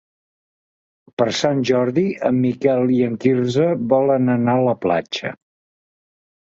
Per Sant Jordi en Miquel i en Quirze volen anar a la platja.